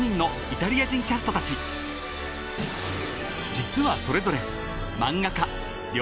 ［実はそれぞれ］